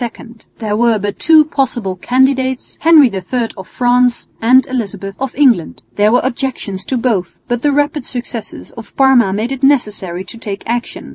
There were but two possible candidates, Henry III of France and Elizabeth of England. There were objections to both, but the rapid successes of Parma made it necessary to take action.